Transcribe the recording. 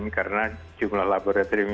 karena jumlah laboratorium yang memeriksa